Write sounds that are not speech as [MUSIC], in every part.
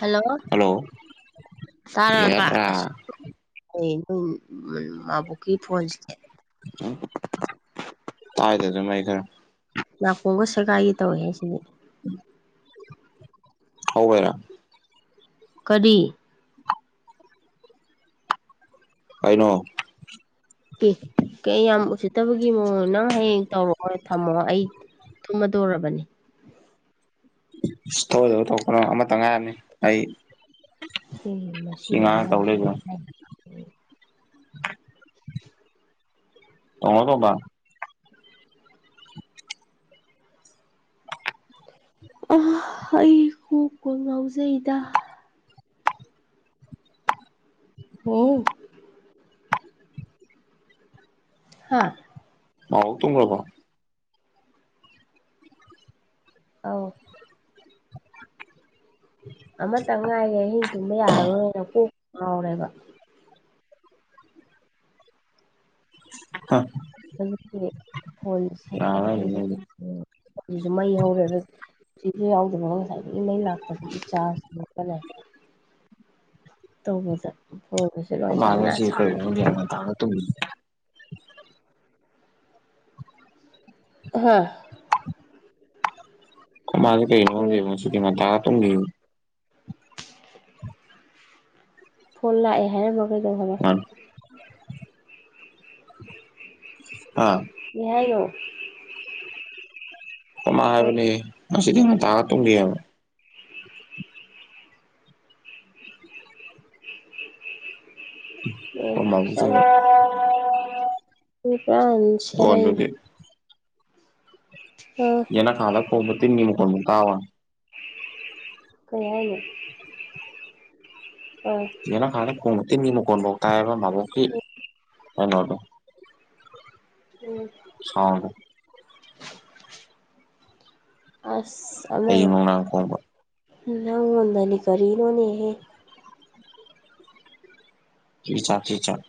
Hello ꯇꯥꯔꯕ ꯌꯦꯔꯥ ꯑꯁ ꯑꯩ ꯑꯗꯨꯝ ꯃꯥꯕꯨꯀꯤ ꯐꯣꯟ ꯇꯥꯏꯗꯔꯦꯗ ꯃꯌꯦꯛ ꯈꯔ ꯅꯥꯀꯣꯡꯒ ꯁꯦꯒꯥꯏꯒꯤ ꯇꯧꯋꯦ ꯍꯦ ꯁꯤꯗꯤ ꯎꯝ꯫ ꯍꯧꯕꯩꯔ꯫ ꯀꯔꯤ꯫ ꯀꯩꯅꯣ꯫ ꯑꯦ ꯀꯩ ꯌꯥꯝ ꯎꯁꯤꯠꯇꯕꯒꯤ ꯃꯑꯣꯡ ꯅꯪ ꯍꯌꯦꯡ ꯇꯧꯔꯛꯑꯣ ꯊꯝꯃꯣ ꯑꯩ꯫ ꯇꯨꯝꯃꯗꯧꯔꯕꯅꯤ꯫ ꯊꯣꯛꯑꯣꯏꯗꯕ ꯇꯧꯔꯛꯀꯅꯣ ꯑꯩ ꯑꯃꯇ ꯉꯥꯏꯔꯅꯤ ꯑꯩ ꯎꯝ ꯁꯤ ꯃꯁꯤꯒꯤ ꯉꯥꯡ ꯑꯉꯥꯡ ꯇꯧ ꯁꯤꯗꯤ ꯂꯩꯕ ꯇꯧꯅꯣ ꯇꯣꯝꯕ꯫ ꯑꯥ ꯑꯩ ꯀꯣꯛꯄꯨ ꯉꯥꯎꯖꯩꯗ꯫ ꯍꯣ꯫ ꯍꯥ꯫ ꯅꯥꯎꯕ ꯇꯨꯝꯒꯕ꯭ꯔꯣ꯫ ꯑꯥꯎ꯫ ꯑꯃꯇ ꯉꯥꯏꯔꯦ ꯑꯍꯤꯡ ꯇꯨꯝꯕ ꯌꯥꯔꯔꯣꯏꯅ ꯀꯣꯛꯄꯨ ꯉꯥꯎꯔꯦꯕ꯫ ꯍꯥ꯫ ꯍꯧꯖꯤꯛꯀꯤ ꯐꯣꯟ ꯁꯦꯝꯕꯗ ꯌꯥꯔꯔꯣꯏ ꯑꯩꯁꯦ ꯑꯩꯈꯣꯏ ꯐꯣꯟꯁꯤꯁꯨ ꯃꯩ ꯍꯧꯔꯦꯕ꯫ ꯁꯤꯁꯨ ꯌꯥꯎꯗꯕꯒ ꯉꯁꯥꯏꯒꯤ ꯃꯩ ꯂꯥꯛꯇꯕꯒꯤ ꯆꯥꯔꯁꯤ [UNINTELLIGIBLE] ꯇꯧꯕꯗ ꯐꯣꯜꯒꯁꯦ ꯑꯩꯈꯣꯏꯃꯥ ꯁꯦ ꯉꯁꯤꯗꯤ ꯀꯩꯒꯤꯅꯣ ꯈꯪꯗꯦ ꯉꯟꯇꯥꯅ ꯇꯨꯝꯃꯤ ꯍꯥ꯫ ꯑꯥꯈꯣꯏꯃꯥꯁꯦ ꯀꯩꯒꯤꯅꯣ ꯎꯝ ꯈꯪꯗꯦ ꯉꯥꯟꯇꯥꯅ ꯇꯨꯝꯒꯤꯕ ꯐꯣꯟ ꯂꯥꯛꯑꯦ ꯍꯥꯏꯔꯝꯃ ꯀꯩꯗꯧ ꯈꯕ ꯍꯥ꯫ ꯀꯩꯍꯥꯏꯅꯣ꯫ ꯑꯩꯈꯣꯏꯃꯥ ꯍꯥꯏꯕꯅꯦ ꯉꯁꯤꯗꯤ ꯉꯟꯇꯥꯅ ꯇꯨꯝꯒꯤ ꯍꯥꯏꯕ ꯑꯩꯈꯣꯏ ꯃꯥꯕꯣꯛꯁꯨ ꯑꯣ [UNINTELLIGIBLE] ꯁꯦꯔꯩ ꯂꯣꯟꯗꯨꯗꯤ ꯍꯨꯝ ꯌꯦꯅꯈꯥꯗ ꯀꯣꯃ [UNINTELLIGIBLE] ꯇꯤꯟꯅꯤ ꯅꯤꯡꯝ ꯀꯣꯟꯃ ꯇꯋꯥ ꯀꯩ ꯍꯥꯢꯅꯣ ꯍꯥ ꯌꯦꯅꯈꯥꯗ ꯈꯣꯡꯗ ꯇꯤꯟꯒꯤ ꯃꯈꯣꯟꯕꯧ ꯇꯥꯑꯦꯕ ꯃꯕꯣꯛꯀꯤ ꯀꯩꯅꯣꯗꯣ ꯎꯝ ꯁꯥꯎ꯭ꯔꯗꯣ ꯑꯁ ꯍꯌꯤꯡ ꯑꯃꯔ ꯅꯨꯡꯗꯥꯡ ꯈꯣꯡꯕ ꯅꯪꯑꯣꯟꯗꯅꯤ ꯀꯔꯤꯅꯣꯍꯦ ꯆꯤ ꯆꯥꯛ ꯆꯤ ꯆꯥꯛ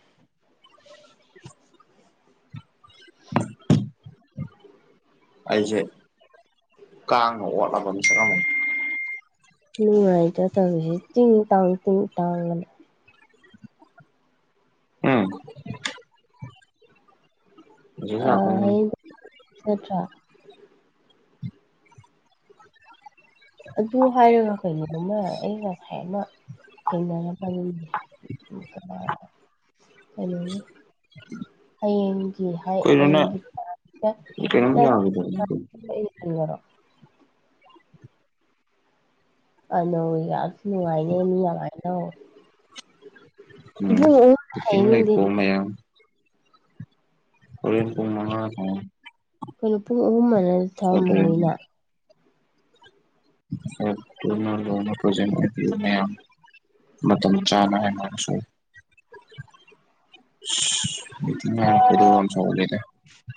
ꯍꯨꯝ [INAUDIBLE] ꯑꯩꯁꯦ ꯀꯥꯡꯅ ꯑꯣꯠꯂꯕ ꯃꯤꯁꯛ ꯑꯃꯅꯤ ꯅꯨꯡꯉꯥꯏꯇꯦ ꯇꯧꯔꯤꯁꯦ ꯇꯤꯡ ꯇꯥꯡ ꯇꯤꯡ ꯇꯥꯡ ꯑꯅꯥ ꯎꯝ ꯍꯧꯖꯤꯛ ꯑꯥ ꯂꯥꯛꯀꯅꯤ ꯑꯩ ꯅꯠꯇ꯭ꯔꯥ ꯑꯗꯨ ꯍꯥꯏꯔꯒ ꯀꯩꯅꯣꯝꯃ ꯑꯩ ꯉꯁꯥꯏ ꯀꯩꯅꯣ ꯑꯃ ꯊꯦꯡꯅꯔꯝꯕꯅꯤꯅꯦ ꯀꯩꯅ [INAUDIBLE] ꯍꯌꯦꯡꯒꯤ ꯀꯩꯅꯣꯅ ꯍꯌꯦꯡꯒꯤ ꯀꯩꯅꯣꯝ ꯌꯥꯈꯤꯗ ꯑꯣꯏꯔꯣ [UNINTELLIGIBLE] ꯑꯅꯧ ꯑꯁ ꯅꯨꯡꯉꯥꯏꯅꯤꯍꯦ ꯃꯤ ꯑꯗꯨꯃꯥꯏꯅ ꯇꯧꯔ ꯃꯤꯇꯤꯡ ꯍꯗꯅꯤ ꯂꯩꯀꯣ [UNINTELLIGIBLE] ꯃꯌꯥꯝ ꯍꯣꯔꯦꯟ ꯄꯨꯡ ꯃꯉꯥ ꯑꯗꯨꯋꯥꯢ ꯀꯩꯅꯣ ꯄꯨꯡ ꯑꯍꯨꯝ ꯑꯗꯨꯋꯥꯢꯗꯗꯤ ꯊꯧꯔꯝ ꯍꯧꯅꯤꯅ [INAUDIBLE] ꯃꯇꯝ ꯆꯥꯅꯁꯨ [UNINTELLIGIBLE] ꯑꯩꯗꯤ ꯉꯔꯥꯡ ꯈꯣꯏꯗꯧ ꯌꯥꯝ ꯁꯧꯒꯠꯂꯤꯗ [INAUDIBLE]